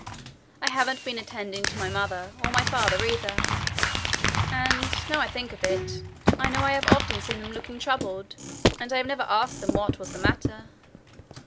I haven't been attending to my mother or my father either. And now I think of it, I know I have often seen them looking troubled, and I have never asked them what was the matter.